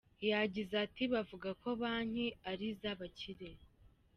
Yagize ati “Bavuga ko banki ari iz’abakire.